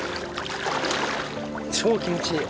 超気持ちいい。